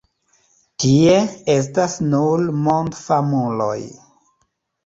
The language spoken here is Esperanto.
Tie estas nur mondfamuloj.